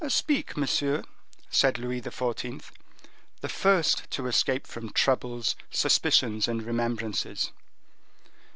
"Speak, monsieur," said Louis XIV., the first to escape from troubles, suspicions, and remembrances.